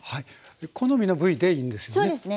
好みの部位でいいんですよね？